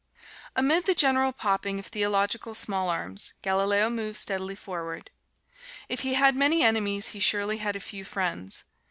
Amid the general popping of theological small arms, Galileo moved steadily forward. If he had many enemies he surely had a few friends.